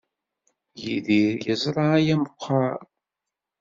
Yidir yeẓra aya meqqar?